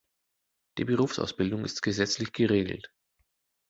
Die Berufsausbildung ist gesetzlich geregelt.